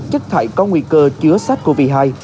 chất thải có nguy cơ chứa sát covid một mươi chín